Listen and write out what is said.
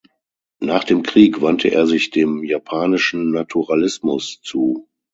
Nach dem Krieg wandte er sich dem japanischen Naturalismus zu.